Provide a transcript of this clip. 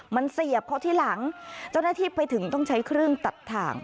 มันเสียบเขาที่หลังเจ้าหน้าที่ไปถึงต้องใช้เครื่องตัดถ่าง